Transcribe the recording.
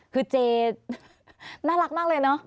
คือเจน่ารักมากเลยเนอะ